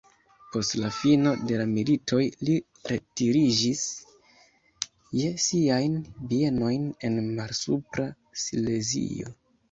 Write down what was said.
Post la fino de la militoj li retiriĝis je siajn bienojn en Malsupra Silezio.